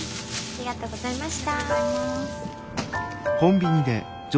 ありがとうございます。